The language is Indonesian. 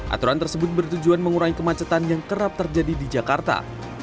aturan tersebut bertujuan mengurangi kemacetan yang kerap terjadi di jakarta